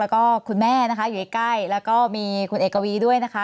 แล้วก็คุณแม่นะคะอยู่ใกล้แล้วก็มีคุณเอกวีด้วยนะคะ